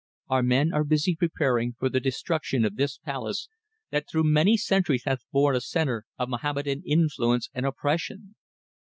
Our men are busy preparing for the destruction of this palace that through many centuries hath been a centre of Mohammedan influence and oppression.